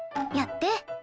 やって。